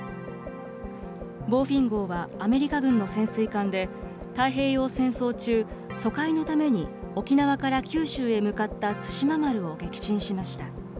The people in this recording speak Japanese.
ボーフィン号はアメリカ軍の潜水艦で、太平洋戦争中、疎開のために沖縄から九州へ向かった対馬丸を撃沈しました。